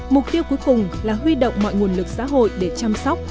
mục tiêu cuối cùng là huy động mọi nguồn lực xã hội để chăm sóc